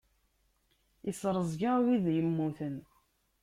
Isrezgay wid immuten.